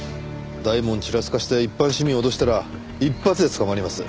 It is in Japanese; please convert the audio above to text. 代紋ちらつかせて一般市民を脅したら一発で捕まります。